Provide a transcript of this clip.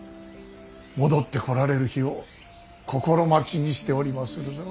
戻ってこられる日を心待ちにしておりまするぞ。